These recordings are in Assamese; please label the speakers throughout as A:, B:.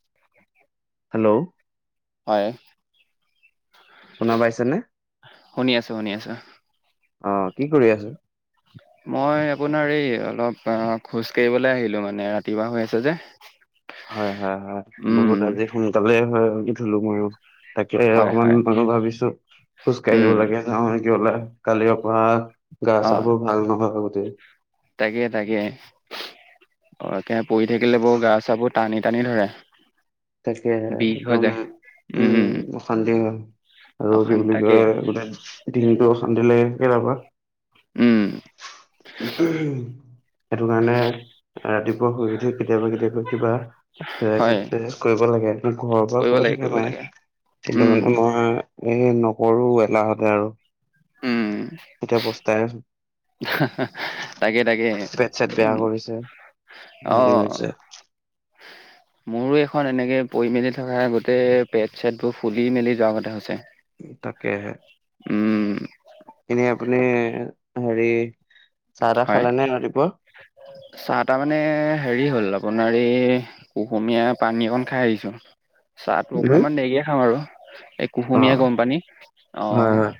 A: [unintelligible]
B: হেল্ল'
A: হয়
B: শুনা পাইছে নে
A: শুনি আছো শুনি আছো
B: অ' কি কৰি আছো?
A: মই আপোনাৰ এই অলপ অ খোজ কঢ়িবলৈ আহিলো মানে ৰাতিপুৱা হৈ আছে যে
B: হয় হয় হয় বহুত
A: উম
B: আজি সোনকালে হয়কি থলো মইো তাকে
A: হয়
B: অকমান
A: হয়
B: মানুহ ভাবিছো খোজ কাঢ়িব
A: উম
B: লাগে যাওঁ নিকি উলাই পোৰা গা
A: অ
B: চা বোৰ ভাল নহয় গোতেই
A: তাকে তাকে অ একেহে পৰি থাকিলে বৌ গা চাবোৰ টানি টানি ধৰে
B: তাকে
A: বিষ হৈ
B: একদম
A: যায়
B: উম অশান্তি হল আৰু কি
A: অশান্তি
B: বুলি
A: তাকে
B: কয় গোটেই দিনটো অশান্তি লাগোকে যাবা
A: উম
B: [unintelligible] সেইটো কাৰণে ৰাতিপুৱা শুই উঠি কেতিয়াবা কেতিয়াবা কিবা
A: হয়
B: এ [unintelligible] কব লাগে ঘৰৰ পৰা
A: কৰিব
B: কৈ
A: লাগে
B: থাকে
A: কৰিব
B: মায়
A: লাগে
B: কিন্তু
A: উম
B: মানে মই এ নকৰো এলাহতে আৰু
A: উম
B: এতিয়া পস্তাই আছো
A: হা হা তাকে তাকে
B: পেট চেট
A: এই
B: বেয়া কৰিছে
A: অ
B: হেৰি হৈছে
A: মোৰো এখন এনেকে পৰি মেলি থকা গোটেই পেট চেট বোৰ ফুলি মেলি যোৱাৰ কথা হৈছে
B: তাকে
A: উম
B: হে আপনি হেৰি চাহ তাহ
A: হয়
B: খালে নে ৰাতিপুৱা?
A: চাহ তাহ মানে হেৰি হ'ল অ আপোনাৰ কুহুমীয়া পানীকন খাই আহিছো চাহটো
B: হুম?
A: অকমান দেৰি খাাম আৰু এই
B: অ
A: কুহুমীয়া গম পানী অ
B: হয় হয়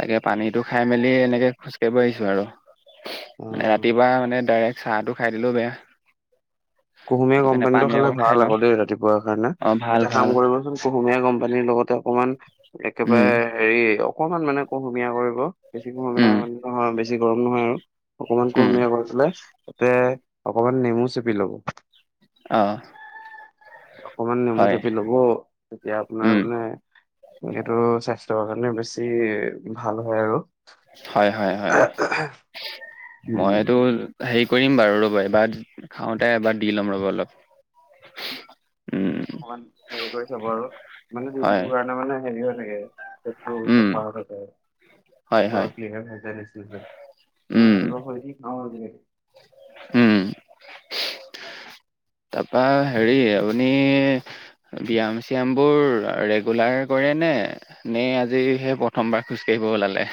A: তাকে পানীটো খাই মেলি এনেকে খোজ কঢ়়িছো আৰু
B: অ
A: মানে ৰাতিপুৱা মানে ডাইৰেক্ট চাহটো খাই দিলেও বেয়া
B: কুহুমীয়া
A: সেইটো কাৰণে
B: কোম্পানীটো
A: পানী
B: খালে
A: অকণ খাই
B: ভাল
A: লওঁ
B: আকৌ দেই ৰাতিপুৱাৰ কাৰণে
A: অ', ভাল
B: এটা
A: ভাল
B: কাম কৰিবচোন কুহুমীয়া গৰম পানী লগত অকণমান
A: উম,
B: একেবাৰে হেৰি অকমান মানে কুহুমীয়া কৰিব বেছি কুহুমীয়া
A: উম,
B: মানে নহয়ি বেছি গৰম নহয় আৰু অকনমান
A: উম,
B: কুহমীয়া ঘৰ পলে তাতে অকমান নেমু চেপি ল'ব
A: অ
B: অকমান নেমু
A: হয়
B: চপি লব তেতিয়া
A: উম,
B: আপোনাৰ মানে সটো স্বাস্থ্যৰ কাৰণে মানে বেছি ভাল হয় আৰু।
A: মইটো হেৰি কৰিম বাৰু, ৰ'ব, এবাৰ খাওঁতে এবাৰ দি ল'ম ৰ'ব অলপ। উম,
B: অকমান হেৰি কৰি চাব আৰু মানে
A: হয়,
B: যিটো কাৰণে মানে হেৰি হৈ থাকে। হেতু
A: উম,
B: চফা হ'লে
A: হয়, হয়,
B: বেয়া [unintelligible]
A: উম,
B: তোমাৰ আহিব হ'ল কি, অ' [unintelligible]
A: উম।
B: [inaudible]
A: তাৰপা হেৰি আপুনি ব্যায়াম চিয়ামবোৰ ৰেগুলাৰ কৰে নে, নে আজি সেই প্ৰথমবাৰ খোজকাঢ়ি গৈ ওলালে।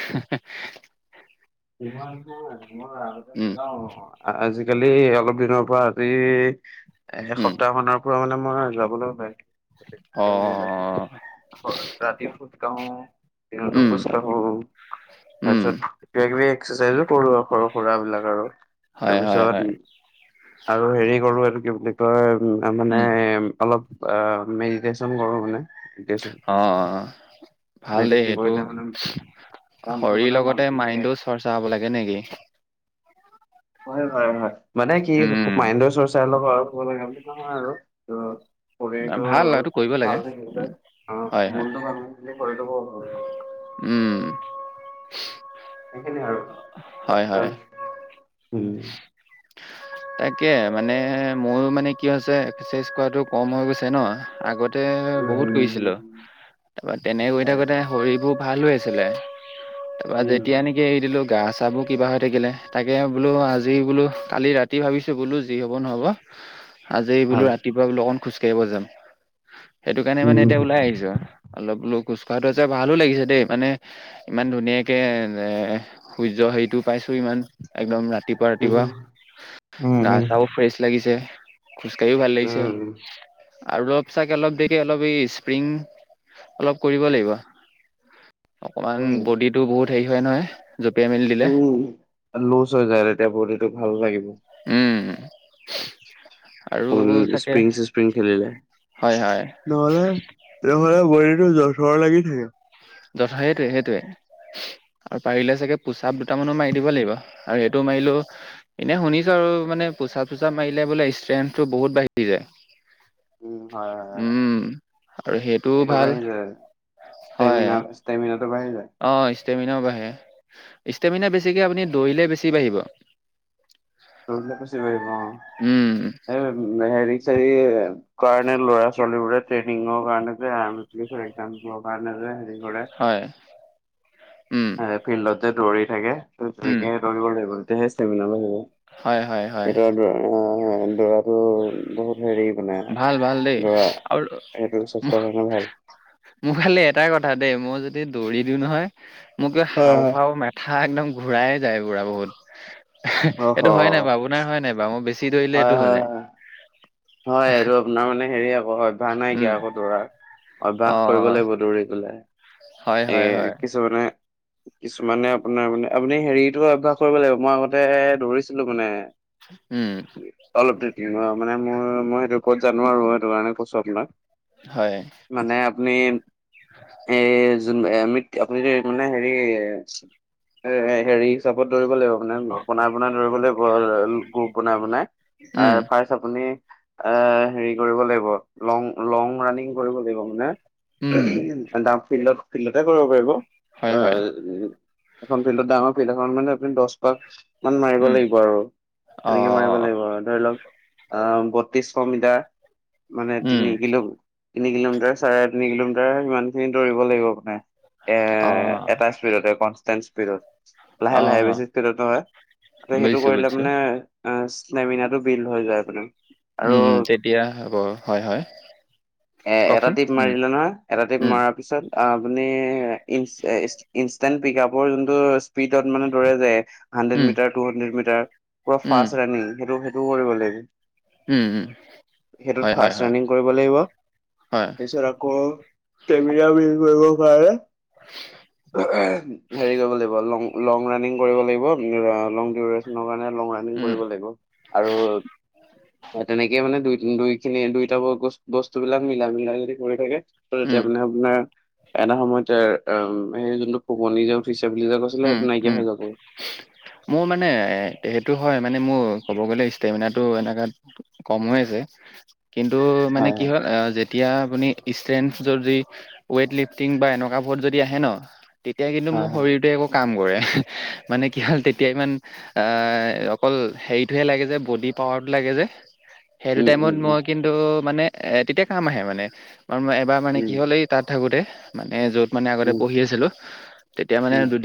B: মই আগতে
A: উম,
B: নাযাওঁ, আজি আজিকালি অলপ দিনৰ পৰা আজি এক
A: উম,
B: সপ্তাহমানৰ পৰা মানে মই যাবলৈ উলাই
A: অ',
B: ৰাতি খোজ কাঢ়োঁ। দিনটো
A: উম,
B: খোজকাঢ়োঁ,
A: উম,
B: তাৰপিছত কিবা এক্সাৰচাইজো কৰঁ আৰু সৰু- সুৰাবলাক আৰু
A: হয়, হয়,
B: তাৰপিছত
A: হয়,
B: আৰু হেৰি কৰোঁ, এইটো কি বুলি কয় মানে
A: উম,
B: অলপ মেডিটেশ্যন কৰোঁ মানে। মেডিটেশ্যন
A: অ'। ভাল দেই
B: মেডিটেশ্যন
A: সেইটো,
B: কৰিলে মানে কামটো
A: শৰীৰ
B: মানে
A: লগতে
B: ভালকে যায়।
A: মাইণ্ডটো চৰ্চা হব লাগে, নে কি?
B: হয়, হয়, হয়, মানে কি
A: উম,
B: মাইণ্ডৰো চৰ্চা অলপ হয়। লগা বুলি নহয় আৰু ত' শৰীৰটো
A: ভাল এইটো কৰিব লাগে।
B: ভাল থাকিলে,
A: উম, হয়, হয়,
B: মনটো ভাল শৰীৰটো হয়।
A: উম।
B: সেইখিনিয়ে আৰু
A: হয়, হয়।
B: তাৰপিছত উম
A: তাকে মানে মোৰ মানে কি হৈছে, এক্সাৰচাইজ কৰাটো কম হৈ গৈছে ন আগতে তে বহুত কৰিছিলোঁ শ, তাৰপা তেনে কৰি
B: উম
A: থাকোঁতে শৰীৰবোৰ ভাল হৈ আছিল ছিলে, তাৰপৰা
B: উম।
A: যেতিয়া নেকি এৰি দিলোঁ, গা- চা বোৰ কিবা হৈ থাকিলে, তাকে বোলো আজি বোলো কালি ৰাতি ভাবিছোঁ বোলো যি হব ন'হব আজি বোলো
B: হয়,
A: ৰাতিপুৱা বোলো অকন খোজকাাঢ়িব যাম। সেইটো কাৰণে মানে
B: উম।
A: এতিয়া ওলাই আহিছোঁ আৰু, ‌অলপ লোক কোজকঢ়াটো যে আছে ভালো লাগিছে দেই, ‌মানে ইমান ধুনীয়াকে এ সূৰ্য হেৰিটোও পাইছোঁ ইমান শ, একদম ৰাতিপুৱা ৰাতিপুৱা
B: উম,
A: গা
B: উম।
A: -চাও ফ্ৰেছ লাগিছে। খোজ কাঢ়িও ভাল লাগিছে।
B: উম,
A: আৰু অলপ চাগে অলপ দেৰিকে অলপ এই স্প্ৰিং অলপ কৰিব লাগিব অকমান বডিটো বহুত হেৰি হয় নহয়, জঁপিয়াই মেলি দিলে।
B: উম। লুজ হৈ যায় তেতিয়া বডিটো ভাল লাগিব।
A: উম। আৰু
B: অ'
A: চাগে
B: স্প্ৰিং স্প্ৰিং খেলিলে।
A: হয়, হয়।
B: নহ'লে, নহ'লে বডীটো জথৰ লাগি থাকে।
A: কথা সেইটোৱে, সেইটোয়ে, আৰু পাৰিলে চাগে পোচাপ দুটামানো মাৰি দিব লাগিব আৰু সেইটোও মাৰি এনেই শুনিছোঁ আৰু মানে পোচাপ চোছাপ মাৰিলে বোলে ষ্ট্ৰেংথটো বহুত বাঢ়ি যায়।
B: উম, হয় হয়।
A: উম, আৰু সেইটোও
B: এইটো
A: ভাল,
B: বাঢ়ি যায়।
A: হয়।
B: ষ্টেমিনা ষ্টেমিনাটো বাঢ়ি যায়,
A: অ', ইষ্টেমিনাও বাঢ়ে, ইষ্টেমিনা বেছিকৈ আপুনি দৰিলে বেছি বাঢ়িব। উম,
B: সেই হেৰি কাৰণে ল'ৰা ছোৱালী ট্ৰেইনিংৰ কাৰণে, কাৰণ হে
A: হয়। উম,
B: ফিল্ডতে দৌৰি থাকে,
A: উম,
B: তেনেকে দৌৰিব লাগিব তেতিয়াহে ষ্টেমিনা
A: হয়, হয়,
B: বাঢ়িব।
A: হয়।
B: এটো দৰা, দৰাটো বহুত হেৰি মানে
A: ভাল ভাল দেই।
B: দৌৰা
A: আৰু
B: সেইটো স্বাস্থ্যৰ কাৰণে ভাল।
A: মোৰফালে এটাই কথা দেই, মই যদি দৌৰি দিওঁ নহয় মোক
B: হয় হয়।
A: হাওঁফাওঁ মেথা থা একদম ঘূৰাই যায় পুৰা বহুত।
B: অ হ
A: এইটো হয় নাই বাৰু? আপোনাৰ হয় নাই বাৰু? মোৰ বেছি চি ধৰিলে
B: হয়
A: এইটো হৈ
B: হয়
A: যায়।
B: হয়। হয়। এইটো আপোনাৰ মানে হেৰি আকৌ অভ্যাস নাইকীয়া
A: উম
B: আকৌ দৌৰাৰ।
A: অ
B: অভ্যাস কৰিব লাগিব দৌৰিবলৈ।
A: হয় হয়
B: এই
A: হয়
B: কিছুমানে কিছুমানে আপোনাৰ মানে, আপুনি হেৰিতো অভ্যাস কৰিব লাগিব। মই আগতে দৌৰিছিলোঁ মানে।
A: উম।
B: অলপ মানে মোৰ মই সেইটো ক'ত জানো আৰু। সেইটো কাৰণে কৈছো আপোনাক।
A: হয়।
B: আমি এজ যোন এ আমি আপুনি যে মানে হেৰি, হেৰি হিচাপত দৌৰিব লাগিব। বনাই বনাই দৌৰিবলৈ, গ্ৰুপ বনাই বনাই।
A: উম
B: আৰু ফাৰ্ষ্ট আপুনি এ, হেৰি কৰিব লাগিব, লং লং ৰানিং কৰিব লাগিব মানে।
A: উম
B: ফিল্ডত ফিল্ডতে কৰিব পাৰিব।
A: হয় হয়
B: এখন ফিল্ডত ডাঙৰ ফিল্ড এখন মানে আপুনি দছ পাক মান মাৰিব
A: উম
B: লাগিব আৰু।
A: অ
B: তেনেকে মাৰিব লাগিব আৰু। ধৰি লওক আহ বত্ৰিশ মিটাৰ মানে
A: উম
B: তিনি কিলো। তিনি কিলোমিটাৰ চাৰে তিনি কিলোমিটাৰ সিমানখিনি দৌৰিব লাগিব আপুনি। এ,
A: অ
B: এটা স্পীডতে কনষ্টেণ্ট স্পীডত।
A: অ
B: লাহে লাহে বেছি স্পীডত নহয়। আকৌ সেইটো
A: বুজিছো
B: কৰিলে
A: বুজিছো
B: মানে অ', ষ্টেমিনাটো বিল্ড হৈ যায় মানে। আৰু
A: উম, তেতিয়া হ'ব। হয় হয়।
B: এ এটা
A: কওকচোন
B: টিপ
A: উম
B: মাৰিলে নহয় এটা টিপ
A: উম
B: মৰাৰ পিছত। আপুনি ই ইনষ্টেণ্ট পিক-আপৰ যোনটো স্পীডত মানে দৌৰে যে hundred
A: um
B: metre, two hundred metre পুৰা
A: উম
B: ফাষ্ট ৰানিং। সেইটো সেইটোও কৰিব লাগিব।
A: উম উম
B: সেইটোত
A: হয় হয়
B: ফাষ্ট
A: হয়
B: ৰানিং কৰিব লাগিব।
A: হয়
B: তাৰপিছত আকৌ বিল্ড কৰিব কাৰণে। হেৰি কৰিব লাগিব লং লং ৰানিং কৰিব লাগিব লং ডিউৰেচনৰ কাৰণে। লং ৰানিং
A: উম
B: কৰিব লাগিব। আৰু তেনেকে মানে দুই দুই খিনি দুইটা বস্তুবিলাক মিলাই মিলাই যদি কৰি থাকে তও
A: উম
B: তেতিয়া মানে আপোনাৰ এটা সময়ত এ এ যোনটো কুমলি যে উঠিছ
A: উম, উম, মোৰ মানে সেইটো হয়, মানে মোৰ ক'ব গ'লে ষ্টেমিনাটো এনেকাত কম হৈ আছে। কিন্তু মানে
B: হয়
A: কি হ'ল যেতিয়া আপুনি ষ্ট্ৰেনথ যদি ৱেট লিফটিং বা এনেকুৱাবোৰত যদি আহে ন তেতিয়া কিন্তু মোৰ
B: হয় হয়
A: শৰীৰটোৱে একো বোৰে। মানে কি হ'ল তেতিয়া ইমান অকল হেৰিটোহে লাগে যে বডি প অড্ লাগে যে। সেইটো
B: উম
A: টাইমত
B: উম
A: মই কিন্তু মানে তেতিয়া কাম আহে মানে এবাৰ মানে কি
B: উম
A: হ'ল এই তাত থাকোঁতে মানে য'ত মানে আগতে
B: উম
A: পঢ়ি আছিলোঁ, তেতিয়া মানে
B: উম
A: দু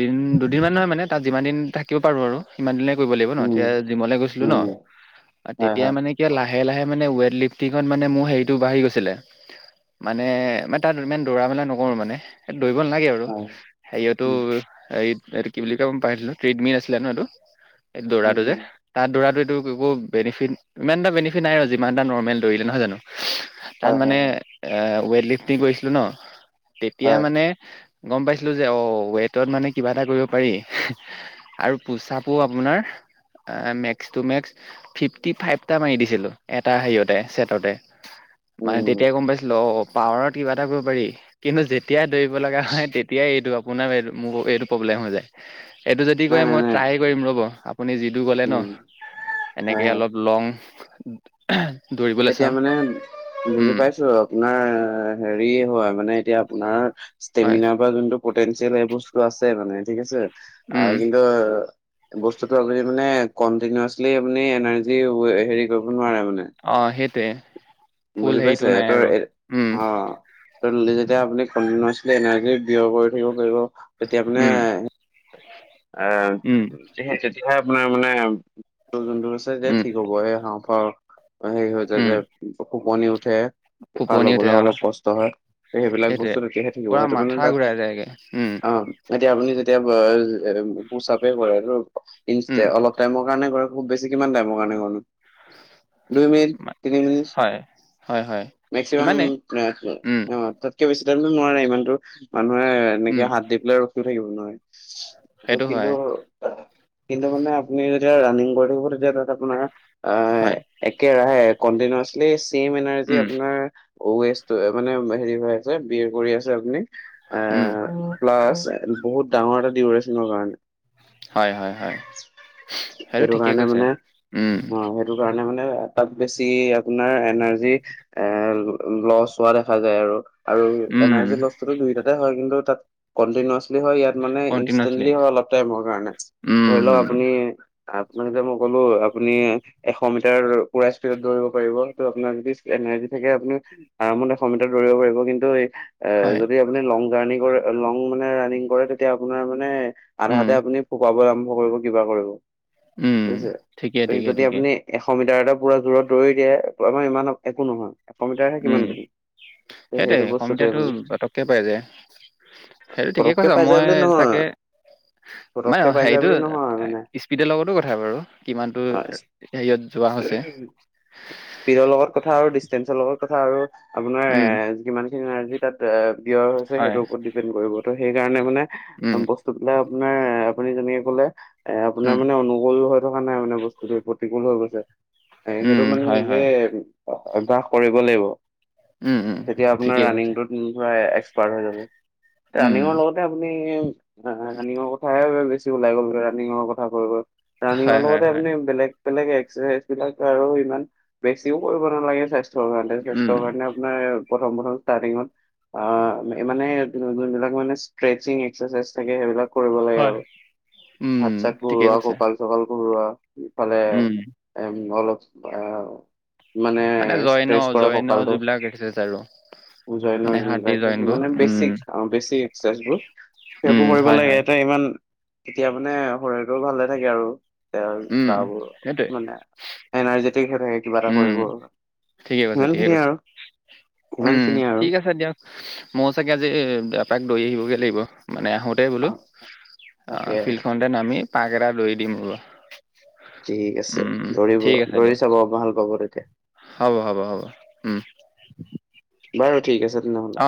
A: দুদিনমান নহয় মানে তাত যিমান দিন থাকিব পাৰোঁ আৰু। সিমান দিনে কৰিব লাগিব ন।
B: উম
A: তেতিয়া
B: উম
A: জিমলে গৈছিলোঁ ন।
B: উম হয়
A: তেতিয়া
B: হয়
A: মানে কি লাহে লাহে মানে ৱেইট লিফটিঙত মানে মোৰ হেৰিটো বাঢ়ি গৈছিলে। মানে মই তাত ইমান দৌৰা-মেলা নকৰো মানে। দৌৰিব নালাগে বাৰু।
B: হয়
A: হেৰিয়তো
B: উম
A: এই এইটো কি বুলি কয় মই পাইছিলোঁ ট্ৰিডমিল আছিলে ন এইটো? এই
B: উম
A: দৌৰাটো যে
B: উম
A: তাত দৌৰা একো কৰিব, বেনিফিট ইমান এটা বেনিফিট নাই আৰু যিমান এটা নৰ্মেল দৌৰিলে। নহয় জানো? তাত
B: হয়
A: মানে
B: হয় হয়
A: এ ৱেইট লিফটিং কৰিছিলো ন তেতিয়া
B: হয়
A: মানে গম পাইছিলো যে অ, ৱেটত মানে কিবা এটা কৰিব পাৰি আৰু পোচাপো আপোনাৰ মেক্স টু মেক্স ফিফটি ফাইভটা মাৰি দিছিলোঁ, এটা হেৰিয়তে ছেটতে। মানে
B: উম
A: তেতিয়াই গম পাইছিলোঁ অ, পাৱাৰত কিবা এটা কৰিব পাৰি কিন্তু যেতিয়া দৰিব লগা হয় তেতিয়াই এইটো আপোনাৰ মোৰ এইটো প্ৰব্লেম হৈ যায়। এইটো যদি
B: নাই
A: কয়
B: নাই
A: মই
B: নাই
A: ট্ৰাই কৰিম ৰ'ব আপুনি যিটো ক'লে ন।
B: উম হয়
A: এনেকে
B: হয়
A: অলপ লং দৌৰিবলৈ
B: এতিয়া
A: চাম
B: মানে বুজি
A: উম
B: পাইছো আপোনাৰ হেৰি হয় মানে এতিয়া আপোনাৰ
A: হয়
B: ষ্টেমিনাৰ বা যোনটো পটেঞ্চিয়েল সেই বস্তুটো আছে মানে ঠিক আছে
A: উম
B: কিন্তু বস্তুতটো আপুনি মানে কণ্টিনিউয়াছলি আপুনি এনাৰ্জি হেৰি কৰিব নোৱাৰে ম
A: অ', সেই
B: বুজি পাইছে সিইতোৰ অ,
A: উম
B: [unintelligible] যেতিয়া আপুনি কণ্টিনিউয়াছলি এনাৰ্জি ব্যয় কৰি থাকিব পাৰিব তেতিয়া মানে
A: উম
B: অ,
A: উম
B: সেই তেতিয়া আপোনাৰ মানে যোনটো হৈছে তেতিয়া
A: উম
B: ঠিক হ'ব আও, সেই হাওঁফাওঁ হেৰি হৈ যায় যে
A: উম
B: কঁপনি উঠে উশাহ
A: ফোপনি
B: ল'বলে
A: উঠে অ
B: অলপ কষ্ট হয় সেইবিলাক
A: সেইটোৱে
B: বস্তু তেতিয়াহে থাকিব
A: পুৰা
B: সেইটো মানে
A: মাথা
B: তাত
A: ঘূৰাই যায়গে উম
B: অ', এতিয়া আপুনি য পুশআপেই কৰেতো ত্ৰিছটা
A: উম
B: অলপ টাইমৰ [unintelligible] কৰে খুব বেছি কিমান টাইমৰ কাৰনে কৰে নু দুই মিনিট তিনি মিনিট
A: হয় হয় হয়
B: মেক্সিমাম
A: ইমানেই উম
B: অ', তাতকে বেছি [unintelligible] নোৱাৰে ইমানতো, মানুহে
A: উম
B: এনেকে হাত দি পেলাই ৰখিও থাকিব নোৱাৰে।
A: সেইটো
B: কিন্তু
A: হয়
B: কিন্তু মানে আপুনি যেতিয়া ৰানিং কৰি থাকিব তেতিয়া তাত আপোনাৰ এ,
A: হয়
B: একেৰাহে কণ্টিনিউয়াছলি চেম এনাৰ্জি
A: উম
B: আপোনাৰ ৱেইষ্টটো মানে হেৰি হৈ আছে বিয়েৰ কৰি আছে আপুনি আ,
A: উম
B: প্লাছ বহুত ডাঙৰ এটা ডিউৰেচনৰ কাৰণে।
A: হয় হয় হয়
B: সেইটো
A: ঠিকেই
B: কাৰণে
A: কৈছে।
B: মানে
A: উম,
B: অ, সেইটো কাৰণে মানে তাত বেছি আপোনাৰ এনাৰ্জি এ, লছ হোৱা দেখা যায় আৰু। আৰু
A: উম,
B: এনাৰ্জি লছতো দুইটাতে হয় কিন্তু তাত কণ্টিনিউয়াছলি হয় ইয়াত মানে
A: কণ্টিনিউচলি
B: ইনষ্টেণ্টলি হয় অলপ টাইমৰ কাৰণে ধৰি লওক
A: উম,
B: আপুনি আপোনাক এতিয়া মই ক'লো আপুনি এশ মিটাৰ পুৰা স্পীডত দৌৰিব পাৰিব ত আপোনাক যদি এনাৰ্জি থাকে আপুনি আৰমত এশ মিটাৰ দৌৰিব পাৰিব কিন্তু এই এ
A: হয়।
B: যদি আপুনি লং জাৰ্ণি কৰে লং মানে ৰাণিং কৰে তেতিয়া আপোনাৰ মানে
A: উম,
B: আধাতে আপুনি ফুকাব আৰম্ভ কৰিব কিবা কৰিব।
A: উম,
B: বুজছে
A: ঠিকে,
B: ত
A: ঠিকে,
B: যদি
A: ঠিকে।
B: আপুনি এশ মিটাৰ [unintelligible] পুৰা জোৰত দৌৰি দিয়ে আমাৰ ইমান একো নহয়। এশ মিটাৰহে
A: উম,
B: কিমান দিম ত'
A: সেইটোৱে
B: সেইটো বস্তুটোৱে
A: অসমীয়াটো
B: আপুনি
A: পতককে পাই যায়। সেইটো ঠিকেই
B: পতককে
A: কৈছা
B: পাই যায়
A: মই
B: বোলি
A: তাকে
B: নহয়।
A: মানে
B: পটককে পাই যায়
A: হেৰিটো
B: বুলি নহয় মানে
A: স্পিডৰ লগতো কথা বাৰু কিমানতো
B: অ
A: হেৰিয়ত যোৱা হৈছে
B: স্পীডৰ লগত কথা আৰু ডিচষ্টেন্ঞ্চৰ লগত কথা আৰু আপোনাৰ এ
A: উম,
B: কিমান খিনি এনাৰ্জি তাত ব্যয় হৈছে,
A: হয়।
B: সেইটোৰ ওপৰত ডিপেণ্ড কৰিব। ত' সেইকাৰণে মানে
A: উম,
B: বস্তুবিলাক আপোনাৰ আপুনি যেনেকে ক'লে এ আপোনাৰ
A: উম,
B: মানে অনুগল হয় থকা নাই মানে বস্তুটো প্ৰতিকূল হৈ গৈছে, এ সেইটো
A: উম,
B: মানে
A: হয়,
B: নিজে
A: হয়।
B: অভ্যাস কৰিব লাগিব,
A: উম, উম,
B: তেতিয়া আপোনাৰ
A: ঠিকেই কৈছে।
B: ৰানিংটোত [unintelligible] [unintelligible] হৈ যাব
A: উম,
B: ৰানিঙৰ লগতেই আপুনি ৰানিঙৰ কথাহে বেছি ওলাই গ'ল ৰানিঙৰ কথা কৈ কৈ, ৰানিঙৰ
A: হয়, হয়,
B: লগতে
A: হয়।
B: আপুনি বেলেগ বেলেগ এক্সাৰচাইজ বিলাক আৰু ইমান বেছিও কৰিব নালাগে স্বাস্থ্য
A: উম,
B: [unintelligible] আপোনাৰ প্ৰথম প্ৰথম ষ্টাৰ্টিঙত আ, মানে যোন বিলাক মানে স্ৰেছিং এক্সাৰচাইজ লাগে সেইবিলাক কৰিব লাগে
A: হয়।
B: আৰু
A: উম,
B: হাত চাত
A: ঠিকেই
B: বৰুা
A: কৈছে।
B: কক চকাল কৰোৱা ফালে
A: উম,
B: এ অলপ আ মানে
A: জইন,
B: ষ্ট্ৰেছ কৰা
A: জইন
B: ককালটো
A: যোনবিলাক এক্সাৰচাইজ আৰু
B: জয়নৰ
A: মানে হাত দি জইন
B: [unintelligible]
A: বোৰ
B: মানে
A: উম
B: বেছি অ, বেছি চইদবোৰ
A: উম
B: সেইবোৰ কৰিব
A: হয়
B: লাগে
A: হয়
B: এটা ইমান তেতিয়া মানে শৰীৰটো ভালে থাকে আৰু। তেওৰ
A: উম
B: গবোৰ
A: সেইটোৱে
B: মানে এনাৰ্জেটিক হৈ থাকে। কিবা এটা
A: উম
B: কৰিব আৰু
A: ঠিকে কৈছে ঠিকে
B: ইমানখিনিয়ে
A: কৈছে
B: আৰু।
A: উম, ঠিক আছে দিয়ক মই চাগে আজি এপাক দৈ আহিবগে লাগিব মানে আহোতে বোলো
B: অ
A: অ,
B: তাকে
A: ফিল্ড খনতে নামি। পাক এটা লৈ দিম ৰব।
B: ঠিক আছে
A: উম,
B: দৌৰিব
A: ঠিক আছে দিয়ক
B: দৌৰি চাব ভাল পাব তেতিয়া
A: হ'ব - হ'ব - হ'ব উম।
B: বাৰু ঠিক আছে তেনেহ'লে।